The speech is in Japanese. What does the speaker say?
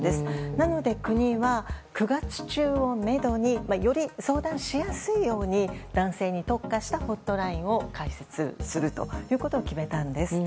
なので、国は９月中をめどにより相談しやすいように男性に特化したホットラインを開設することを決めたんです。